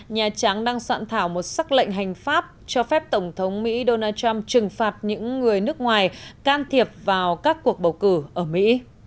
nhà trắng đang soạn thảo một sắc lệnh hành pháp cho phép tổng thống mỹ donald trump trừng phạt những người nước ngoài can thiệp vào các cuộc bầu cử ở mỹ